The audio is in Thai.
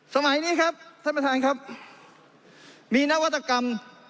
สมัยนี้ครับท่านประธานครับมีนวัตกรรม